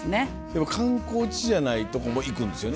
でも観光地じゃないとこも行くんですよね。